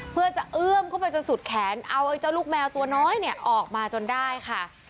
เพื่อจะเอื้อมเข้าไปจนสุดแขนเอาไอ้เจ้าลูกแมวตัวน้อยเนี่ยออกมาจนได้ค่ะ